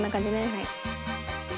はい。